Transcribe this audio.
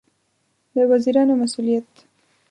د وزیرانو مسوولیت